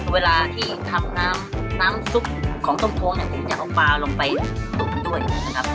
เวลาที่ทำน้ำซุปของต้มโค้งจะเอาปลาลงไปตกด้วยนะครับ